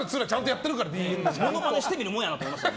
ものまねしてみるもんやなって思いました。